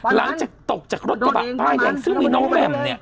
หลังจากตกจากรถกระบะป้ายแดงซึ่งมีน้องแหม่มเนี่ย